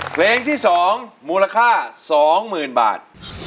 เพลงที่๒มูลค่า๒๐๐๐บาท